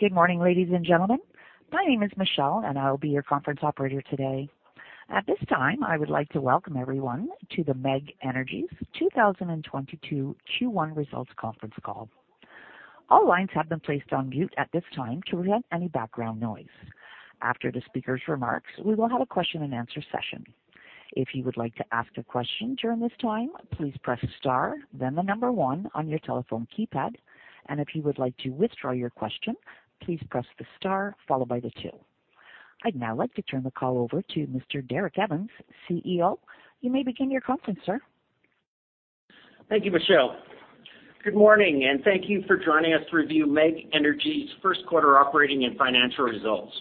Good morning, ladies and gentlemen. My name is Michelle, and I will be your conference operator today. At this time, I would like to welcome everyone to the MEG Energy's 2022 Q1 Results Conference Call. All lines have been placed on mute at this time to prevent any background noise. After the speaker's remarks, we will have a question-and-answer session. If you would like to ask a question during this time, please press star then the number one on your telephone keypad. If you would like to withdraw your question, please press the star followed by the two. I'd now like to turn the call over to Mr. Derek Evans, CEO. You may begin your conference, sir. Thank you, Michelle. Good morning, and thank you for joining us to review MEG Energy's first quarter operating and financial results.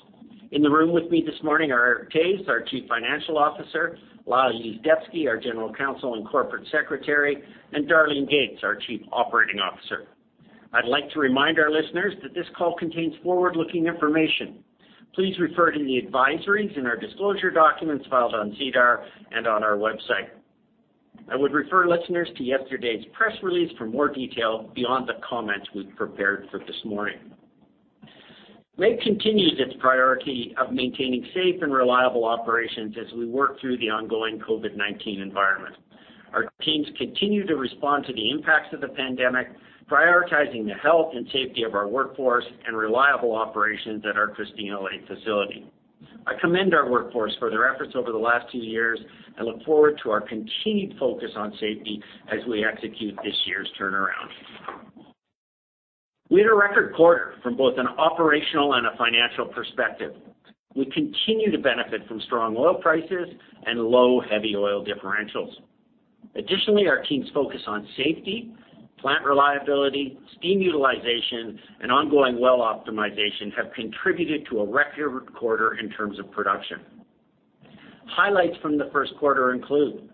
In the room with me this morning are Eric Toews, our Chief Financial Officer, Lyle Yuzdepski, our General Counsel and Corporate Secretary, and Darlene Gates, our Chief Operating Officer. I'd like to remind our listeners that this call contains forward-looking information. Please refer to the advisories in our disclosure documents filed on SEDAR and on our website. I would refer listeners to yesterday's press release for more detail beyond the comments we've prepared for this morning. MEG continues its priority of maintaining safe and reliable operations as we work through the ongoing COVID-19 environment. Our teams continue to respond to the impacts of the pandemic, prioritizing the health, and safety of our workforce and reliable operations at our Christina Lake facility. I commend our workforce for their efforts over the last two years. I look forward to our continued focus on safety as we execute this year's turnaround. We had a record quarter from both an operational, and a financial perspective. We continue to benefit from strong oil prices, and low heavy oil differentials. Additionally, our teams focus on safety, plant reliability, steam utilization, and ongoing well optimization have contributed to a record quarter in terms of production. Highlights from the first quarter include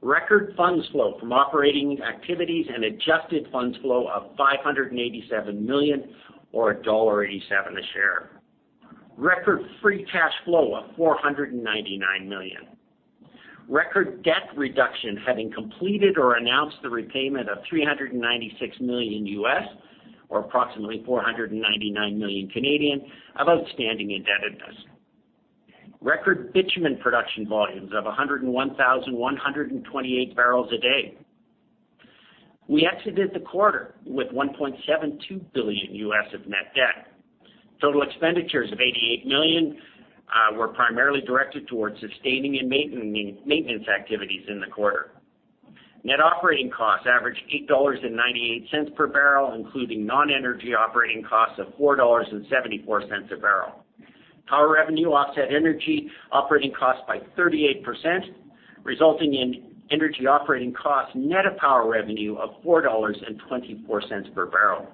record funds flow from operating activities, and adjusted funds flow of 587 million or dollar 1.87 a share. Record free cash flow of 499 million. Record debt reduction having completed or announced the repayment of $396 million or approximately 499 million of outstanding indebtedness. Record bitumen production volumes of 101,128 barrels a day. We exited the quarter with $1.72 billion of net debt. Total expenditures of 88 million were primarily directed towards sustaining and maintenance activities in the quarter. Net operating costs averaged 8.98 per barrel, including non-energy operating costs of 4.74 dollars a barrel. Power revenue offset energy operating costs by 38%, resulting in energy operating costs net of power revenue of 4.24 dollars per barrel.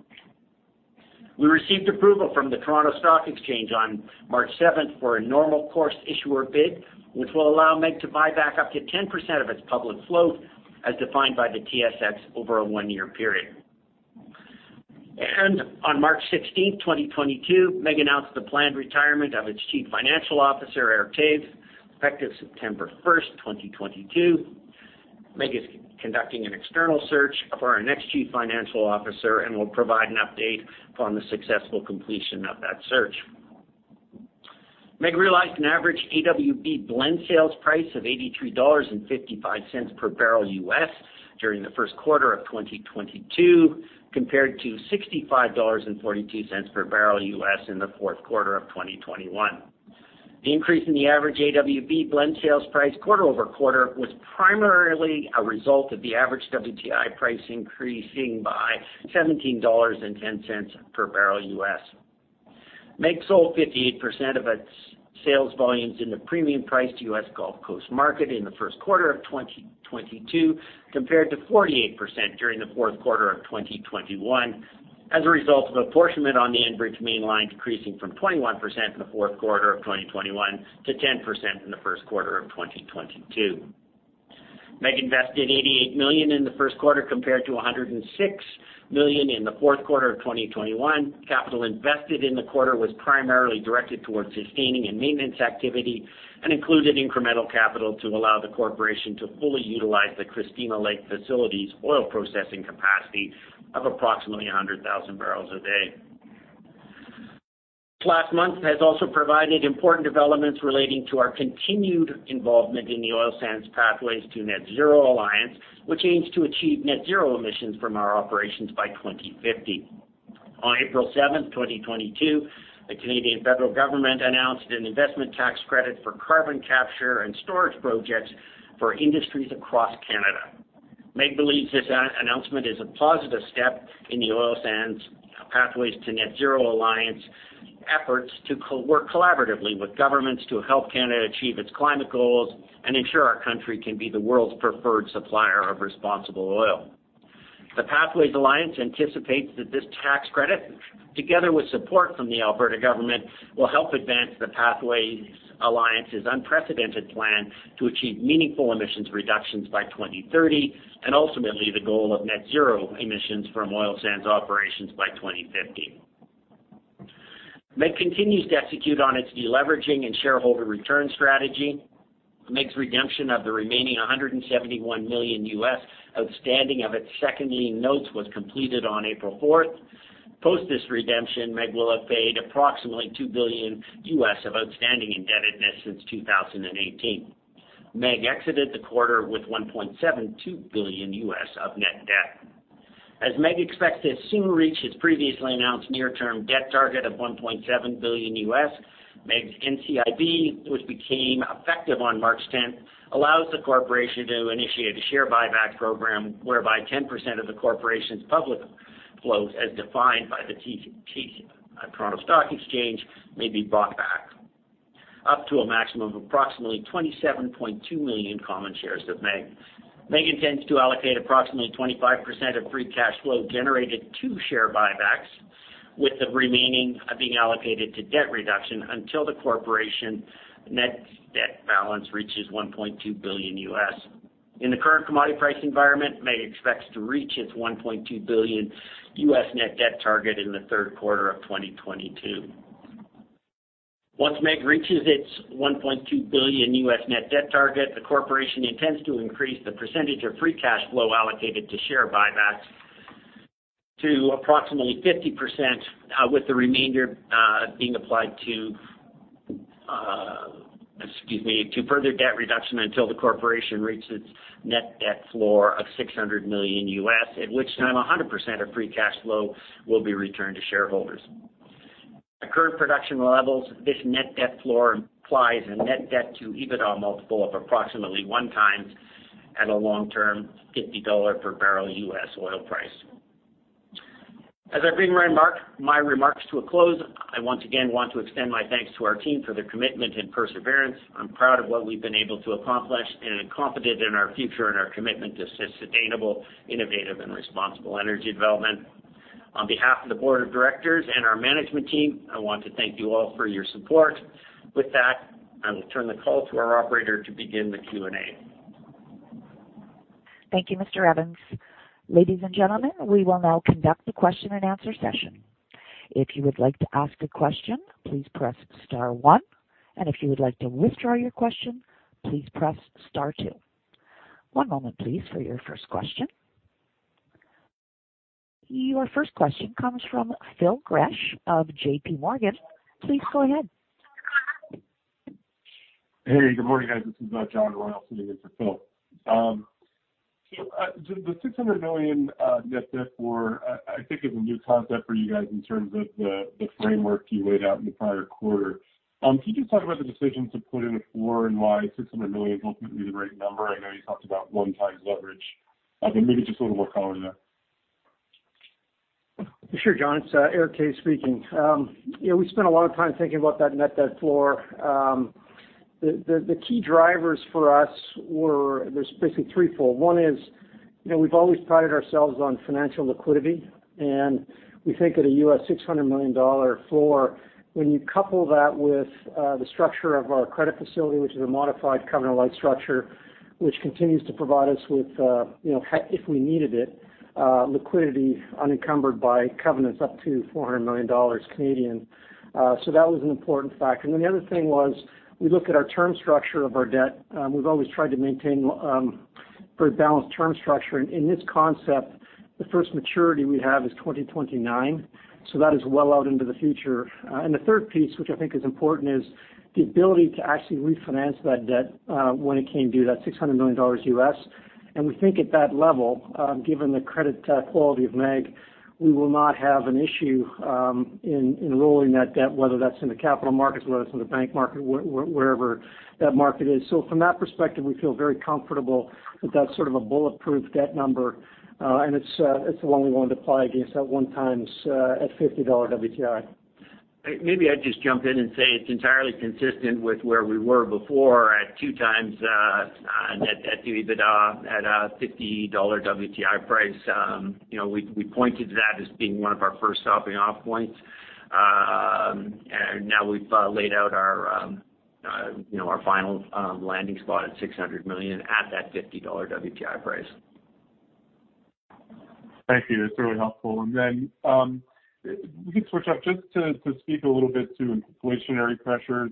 We received approval from the Toronto Stock Exchange on March seventh for a normal course issuer bid, which will allow MEG to buy back up to 10% of its public float as defined by the TSX over a one-year period. On March 16, 2022, MEG announced the planned retirement of its Chief Financial Officer, Eric Toews, effective September 1, 2022. MEG is conducting an external search for our next Chief Financial Officer and will provide an update upon the successful completion of that search. MEG realized an average AWB blend sales price of $83.55 per barrel during the first quarter of 2022, compared to $65.42 per barrel in the fourth quarter of 2021. The increase in the average AWB blend sales price quarter-over-quarter was primarily a result of the average WTI price increasing by $17.10 per barrel. MEG sold 58% of its sales volumes in the premium-priced US Gulf Coast market in the first quarter of 2022, compared to 48% during the fourth quarter of 2021, as a result of apportionment on the Enbridge Mainline decreasing from 21% in the fourth quarter of 2021 to 10% in the first quarter of 2022. MEG invested 88 million in the first quarter compared to 106 million in the fourth quarter of 2021. Capital invested in the quarter was primarily directed towards sustaining and maintenance activity, and included incremental capital to allow the corporation to fully utilize the Christina Lake facility's oil processing capacity of approximately 100,000 barrels a day. Last month has also provided important developments relating to our continued involvement in the Oil Sands Pathways to Net Zero Alliance, which aims to achieve net zero emissions from our operations by 2050. On April 7, 2022, the Canadian federal government announced an investment tax credit for carbon capture and storage projects for industries across Canada. MEG believes this announcement is a positive step in the Oil Sands Pathways to Net Zero Alliance efforts to work collaboratively with governments to help Canada achieve its climate goals and ensure our country can be the world's preferred supplier of responsible oil. The Pathways Alliance anticipates that this tax credit, together with support from the Alberta government, will help advance the Pathways Alliance's unprecedented plan to achieve meaningful emissions reductions by 2030 and ultimately the goal of net zero emissions from oil sands operations by 2050. MEG continues to execute on its deleveraging and shareholder return strategy. MEG's redemption of the remaining $171 million outstanding of its second lien notes was completed on April fourth. Post this redemption, MEG will have paid approximately $2 billion of outstanding indebtedness since 2018. MEG exited the quarter with $1.72 billion of net debt. As MEG expects to soon reach its previously announced near-term debt target of $1.7 billion, MEG's NCIB, which became effective on March 10, allows the corporation to initiate a share buyback program whereby 10% of the corporation's public float, as defined by the TSX, Toronto Stock Exchange, may be bought back, up to a maximum of approximately 27.2 million common shares of MEG. MEG intends to allocate approximately 25% of free cash flow generated to share buybacks, with the remaining being allocated to debt reduction until the corporation net debt balance reaches $1.2 billion. In the current commodity price environment, MEG expects to reach its $1.2 billion net debt target in the third quarter of 2022. Once MEG reaches its $1.2 billion net debt target, the corporation intends to increase the percentage of free cash flow allocated to share buybacks to approximately 50%, with the remainder being applied to, excuse me, further debt reduction until the corporation reaches net debt floor of $600 million, at which time 100% of free cash flow will be returned to shareholders. At current production levels, this net debt floor implies a net debt to EBITDA multiple of approximately 1x at a long-term $50 per barrel US oil price. As I bring my remarks to a close, I once again want to extend my thanks to our team for their commitment and perseverance. I'm proud of what we've been able to accomplish, and am confident in our future and our commitment to sustainable, innovative, and responsible energy development. On behalf of the board of directors and our management team, I want to thank you all for your support. With that, I will turn the call to our operator to begin the Q&A. Thank you, Mr. Evans. Ladies and gentlemen, we will now conduct the question-and-answer session. If you would like to ask a question, please press star one. If you would like to withdraw your question, please press star two. One moment please, for your first question. Your first question comes from Phil Gresh of J.P. Morgan. Please go ahead. Hey, good morning, guys. This is John Royall sitting in for Phil. The 600 million net debt floor I think is a new concept for you guys in terms of the framework you laid out in the prior quarter. Can you just talk about the decision to put in a floor and why 600 million is ultimately the right number? I know you talked about 1x leverage. Maybe just a little more color there. Sure, John. It's Eric Toews speaking. You know, we spent a lot of time thinking about that net debt floor. The key drivers for us were. There's basically threefold. One is, you know, we've always prided ourselves on financial liquidity, and we think at a U.S. $600 million floor, when you couple that with the structure of our credit facility, which is a modified covenant light structure, which continues to provide us with, you know, if we needed it, liquidity unencumbered by covenants up to 400 million Canadian dollars. So that was an important factor. The other thing was, we looked at our term structure of our debt. We've always tried to maintain very balanced term structure. In this concept, the first maturity we have is 2029, so that is well out into the future. The third piece, which I think is important, is the ability to actually refinance that debt when it came due, that $600 million. We think at that level, given the credit quality of MEG, we will not have an issue in rolling that debt, whether that's in the capital markets, whether it's in the bank market, wherever that market is. From that perspective, we feel very comfortable that that's sort of a bulletproof debt number. It's the one we want to apply against that 1x at 50-dollar WTI. Maybe I'd just jump in and say it's entirely consistent with where we were before at 2x net to EBITDA at a $50 WTI price. You know, we pointed to that as being one of our first stopping off points. Now we've laid out our final landing spot at 600 million at that $50 WTI price. Thank you. That's really helpful. If we can switch up just to speak a little bit to inflationary pressures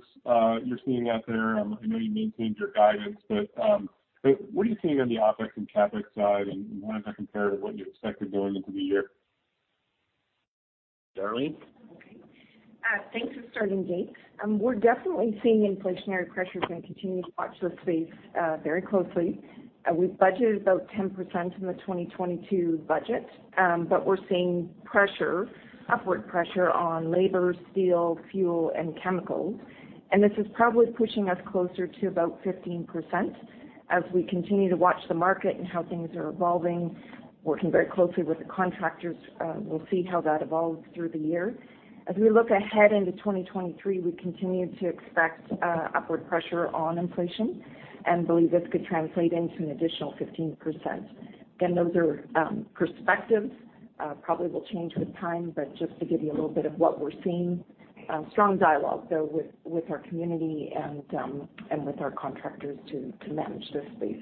you're seeing out there. I know you maintained your guidance, but what are you seeing on the OpEx and CapEx side, and how does that compare to what you expected going into the year? Darlene? Okay. Thanks. It's Darlene Gates. We're definitely seeing inflationary pressures and continue to watch this space very closely. We've budgeted about 10% in the 2022 budget, but we're seeing pressure, upward pressure on labor, steel, fuel, and chemicals. This is probably pushing us closer to about 15%. As we continue to watch the market and how things are evolving, working very closely with the contractors, we'll see how that evolves through the year. As we look ahead into 2023, we continue to expect upward pressure on inflation and believe this could translate into an additional 15%. Again, those are perspectives, probably will change with time, but just to give you a little bit of what we're seeing. Strong dialogue, though, with our community and with our contractors to manage this space.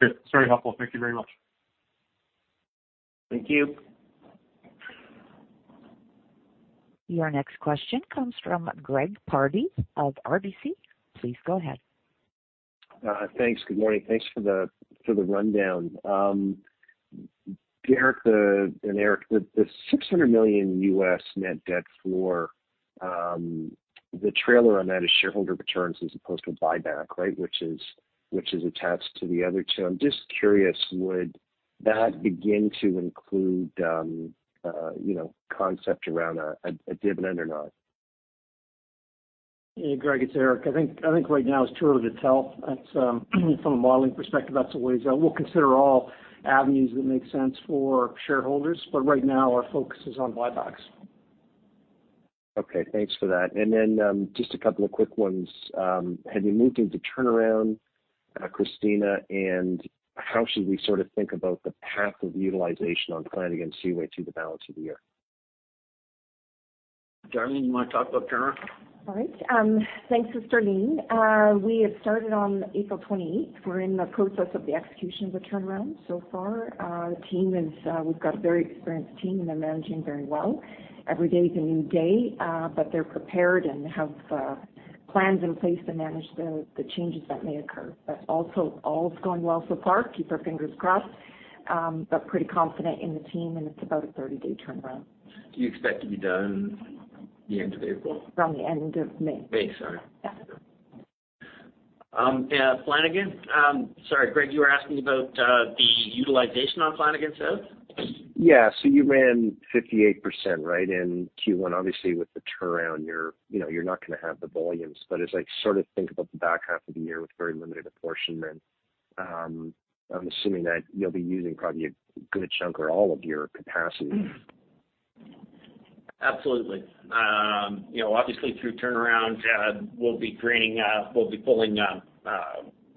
Good. Very helpful. Thank you very much. Thank you. Your next question comes from Greg Pardy of RBC. Please go ahead. Thanks. Good morning. Thanks for the rundown. Derek and Eric, the $600 million net debt for the latter on that is shareholder returns as opposed to buyback, right? Which is attached to the other two. I'm just curious, would that begin to include you know concept around a dividend or not? Yeah. Greg, it's Eric. I think right now it's too early to tell. That's from a modeling perspective, that's the way. We'll consider all avenues that make sense for shareholders. Right now, our focus is on buybacks. Okay. Thanks for that. Just a couple of quick ones. Have you moved into turnaround, Christina, and how should we sort of think about the path of utilization on the Flanagan South Pipeline through the balance of the year? Darlene, you wanna talk about turnaround? All right. Thanks, Darlene. We have started on April 28th. We're in the process of the execution of the turnaround. So far, we've got a very experienced team, and they're managing very well. Every day is a new day, but they're prepared and have plans in place to manage the changes that may occur. All is going well so far. Keep our fingers crossed. Pretty confident in the team, and it's about a 30-day turnaround. Do you expect to be done the end of April? From the end of May. May, sorry. Yeah. Yeah, Flanagan. Sorry, Greg, you were asking about the utilization on Flanagan South? Yeah. You ran 58%, right, in Q1. Obviously, with the turnaround, you're, you know, you're not gonna have the volumes. As I sort of think about the back half of the year with very limited apportionment, I'm assuming that you'll be using probably a good chunk or all of your capacity. Absolutely. You know, obviously, through turnarounds, we'll be pulling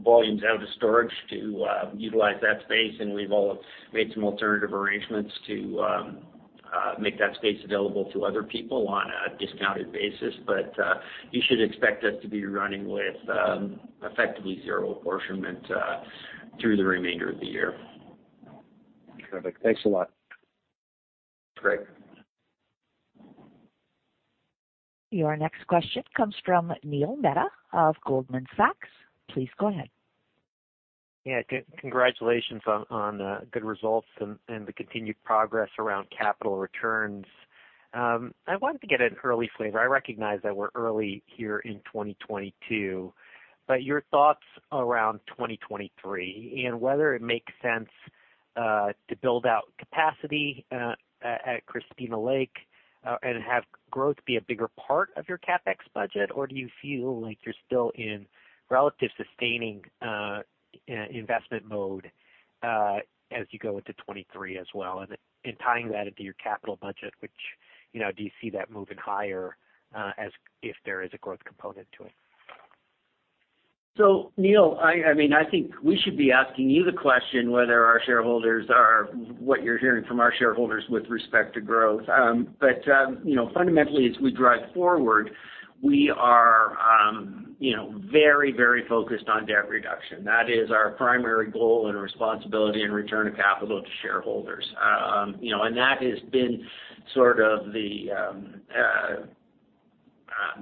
volumes out of storage to utilize that space, and we've all made some alternative arrangements to make that space available to other people on a discounted basis. You should expect us to be running with effectively zero apportionment through the remainder of the year. Perfect. Thanks a lot. Great. Your next question comes from Neil Mehta of Goldman Sachs. Please go ahead. Yeah. Congratulations on good results, and the continued progress around capital returns. I wanted to get an early flavor. I recognize that we're early here in 2022, but your thoughts around 2023, and whether it makes sense to build out capacity at Christina Lake and have growth be a bigger part of your CapEx budget? Or do you feel like you're still in relative sustaining investment mode as you go into 2023 as well? Tying that into your capital budget, which, you know, do you see that moving higher as if there is a growth component to it? Neil, I mean, I think we should be asking you the question, what you're hearing from our shareholders with respect to growth. You know, fundamentally, as we drive forward, we are, you know, very, very focused on debt reduction. That is our primary goal and responsibility in return of capital to shareholders. You know, that has been sort of the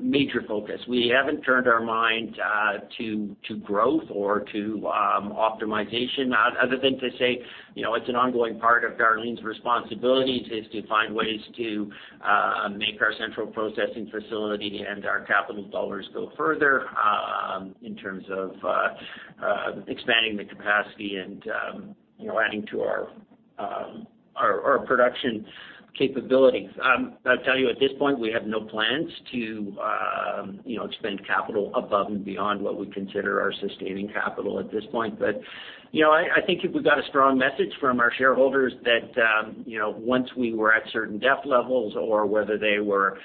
major focus. We haven't turned our mind to growth or to optimization other than to say, you know, it's an ongoing part of Darlene's responsibilities, is to find ways to make our central processing facility and our capital dollars go further in terms of expanding the capacity and, you know, adding to our production capabilities. I'll tell you, at this point, we have no plans to, you know, spend capital above and beyond what we consider our sustaining capital at this point. But, you know, I think if we got a strong message from our shareholders that, you know, once we were at certain debt levels or whether they were,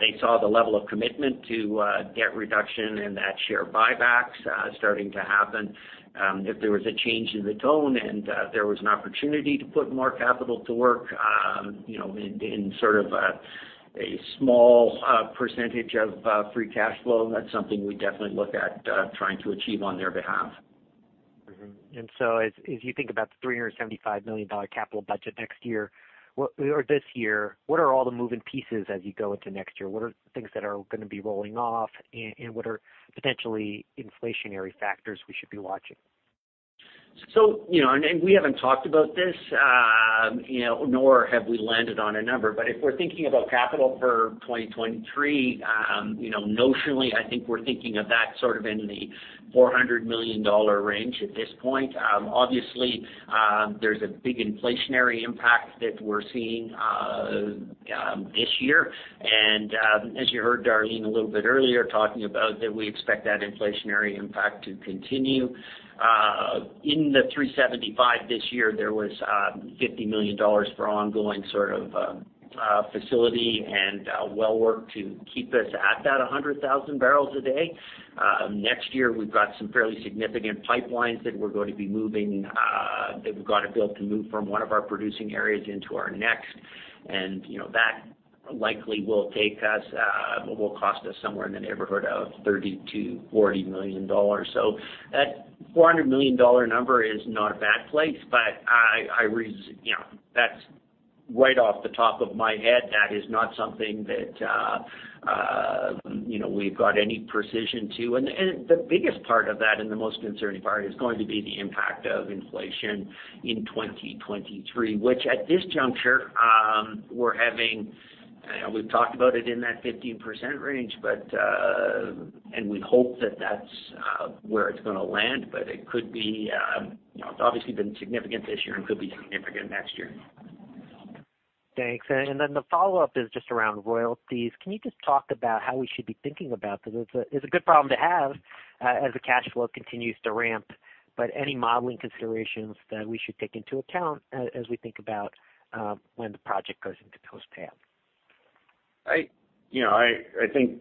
they saw the level of commitment to, debt reduction, and that share buybacks, starting to happen, if there was a change in the tone and, there was an opportunity to put more capital to work, you know, in sort of a small percentage of free cash flow, that's something we'd definitely look at, trying to achieve on their behalf. Mm-hmm. As you think about the 375 million dollar capital budget next year or this year, what are all the moving pieces as you go into next year? What are things that are gonna be rolling off, and what are potentially inflationary factors we should be watching? We haven't talked about this, nor have we landed on a number. If we're thinking about capital for 2023, notionally, I think we're thinking of that sort of in the 400 million dollar range at this point. Obviously, there's a big inflationary impact that we're seeing this year. As you heard Darlene a little bit earlier talking about, we expect that inflationary impact to continue. In the 375 this year, there was 50 million dollars for ongoing sort of facility and well work to keep us at that 100,000 barrels a day. Next year, we've got some fairly significant pipelines that we're going to be moving, that we've got to be able to move from one of our producing areas into our next. You know, that likely will take us, will cost us somewhere in the neighborhood of 30-40 million dollars. That 400 million dollar number is not a bad place, but you know, that's right off the top of my head. That is not something that, you know, we've got any precision to. The biggest part of that, and the most concerning part, is going to be the impact of inflation in 2023, which at this juncture, we're having, we've talked about it in that 15% range. We hope that that's where it's gonna land, but it could be, you know, it's obviously been significant this year and could be significant next year. Thanks. The follow-up is just around royalties. Can you just talk about how we should be thinking about this? It's a good problem to have, as the cash flow continues to ramp, but any modeling considerations that we should take into account as we think about when the project goes into post payout? You know, I think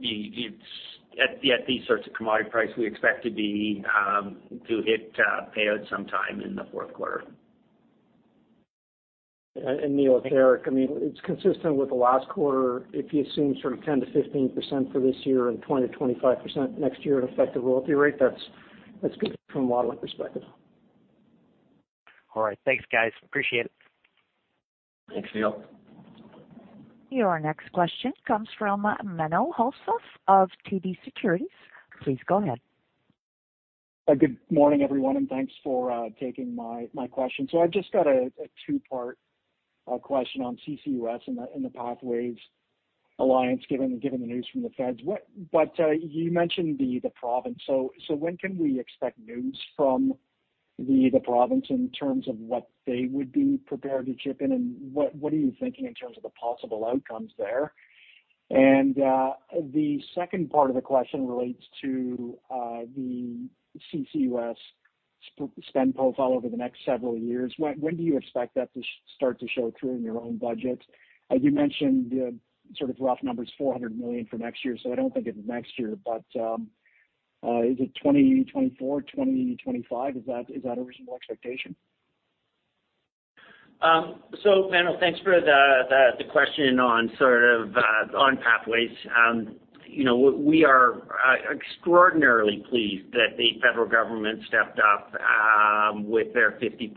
it's at these sorts of commodity prices, we expect to hit payout sometime in the fourth quarter. Neil, it's Eric. I mean, it's consistent with the last quarter. If you assume sort of 10%-15% for this year and 20%-25% next year to affect the royalty rate, that's good from a modeling perspective. All right. Thanks, guys. Appreciate it. Thanks, Neil. Your next question comes from Menno Hulshof of TD Securities. Please go ahead. Good morning, everyone, and thanks for taking my question. I've just got a two-part question on CCUS and the Pathways Alliance, given the news from the feds. You mentioned the province. When can we expect news from the province in terms of what they would be prepared to chip in? What are you thinking in terms of the possible outcomes there? The second part of the question relates to the CCUS spend profile over the next several years. When do you expect that to start to show through in your own budget? You mentioned the sort of rough numbers, 400 million for next year, so I don't think it's next year. Is it 2024, 2025? Is that a reasonable expectation? Menno, thanks for the question on Pathways. You know, we are extraordinarily pleased that the federal government stepped up with their 50%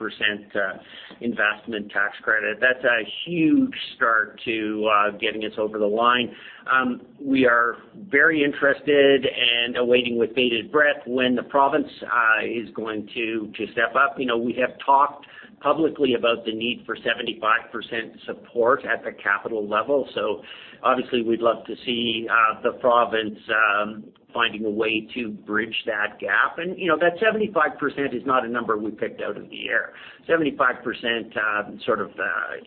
investment tax credit. That's a huge start to getting us over the line. We are very interested and are waiting with bated breath when the province is going to step up. You know, we have talked publicly about the need for 75% support at the capital level. Obviously we'd love to see the province finding a way to bridge that gap. You know, that 75% is not a number we picked out of the air. 75%, sort of,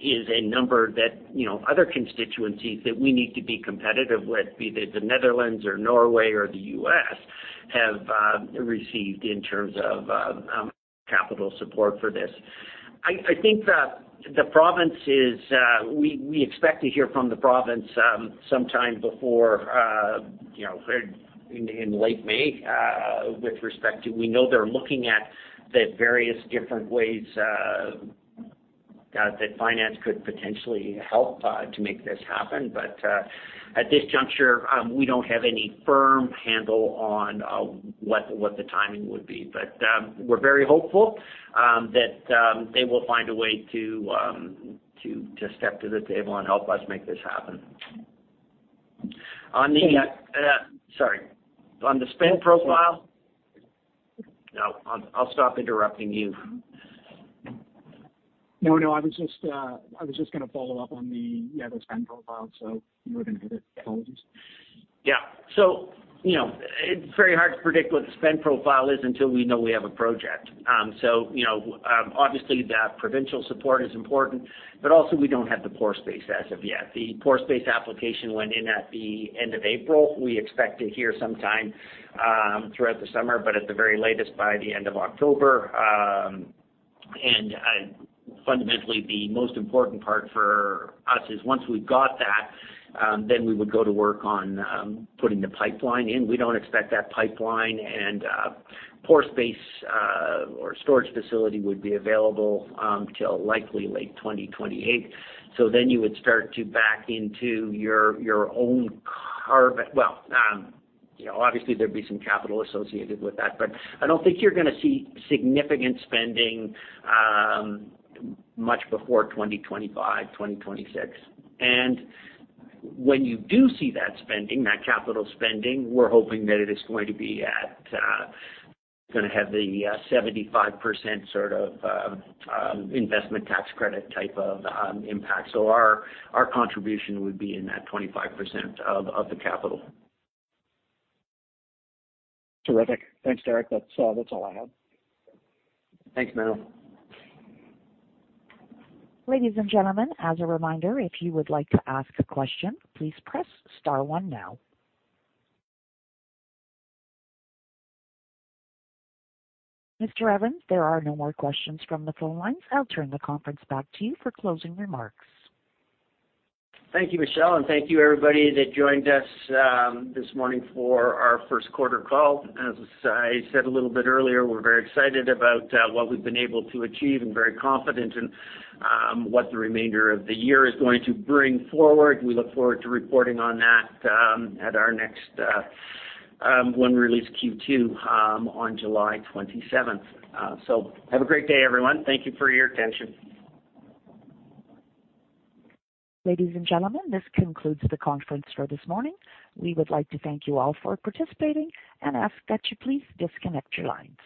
is a number that, you know, other constituencies that we need to be competitive with, be it the Netherlands or Norway or the U.S., have received in terms of capital support for this. I think that the province is we expect to hear from the province sometime before, you know, in late May with respect to we know they're looking at the various different ways that finance could potentially help to make this happen. At this juncture, we don't have any firm handle on what the timing would be. We're very hopeful that they will find a way to step to the table and help us make this happen. On the So- Sorry. On the spend profile. No, I'll stop interrupting you. No, I was gonna follow up on, yeah, the spend profile, so you were good. Apologies. Yeah. You know, it's very hard to predict what the spend profile is until we know we have a project. You know, obviously the provincial support is important, but also we don't have the pore space as of yet. The pore space application went in at the end of April. We expect to hear sometime throughout the summer, but at the very latest by the end of October. Fundamentally, the most important part for us is once we've got that, then we would go to work on putting the pipeline in. We don't expect that pipeline, and pore space or storage facility would be available till likely late 2028. You would start to back into your own carve. Well, you know, obviously there'd be some capital associated with that, but I don't think you're gonna see significant spending, much before 2025, 2026. When you do see that spending, that capital spending, we're hoping that it is going to be at, gonna have the 75% sort of investment tax credit type of impact. Our contribution would be in that 25% of the capital. Terrific. Thanks, Derek. That's all I have. Thanks, Menno. Ladies and gentlemen, as a reminder, if you would like to ask a question, please press star one now. Mr. Evans, there are no more questions from the phone lines. I'll turn the conference back to you for closing remarks. Thank you, Michelle, and thank you everybody that joined us this morning for our first quarter call. As I said a little bit earlier, we're very excited about what we've been able to achieve and very confident in what the remainder of the year is going to bring forward. We look forward to reporting on that at our next when we release Q2 on July 27th. Have a great day, everyone. Thank you for your attention. Ladies and gentlemen, this concludes the conference for this morning. We would like to thank you all for participating and ask that you please disconnect your lines.